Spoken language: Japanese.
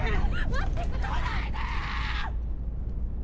待ってください来ないで！